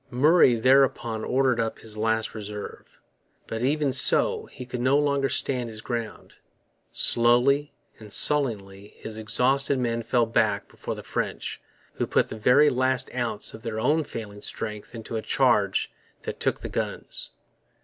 Murray thereupon ordered up his last reserve. But even so he could no longer stand his ground. Slowly and sullenly his exhausted men fell back before the French, who put the very last ounce of their own failing strength into a charge that took the guns.